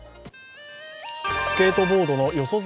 スケートボードの四十住